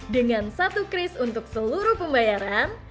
dengan satu kris untuk seluruh pembayaran